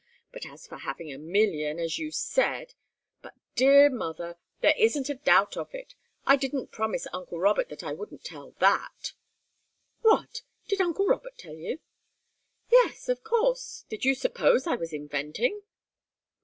But as for having a million, as you said " "But, dear mother there isn't a doubt of it! I didn't promise uncle Robert that I wouldn't tell that " "What? Did uncle Robert tell you?" "Yes! Of course! Did you suppose I was inventing?"